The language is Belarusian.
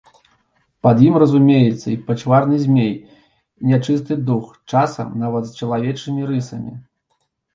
Пад ім разумеецца і пачварны змей, і нячысты дух, часам нават з чалавечымі рысамі.